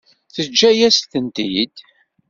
Teǧǧa-yas-tent-id?